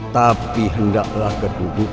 tapi hendaklah ketudukan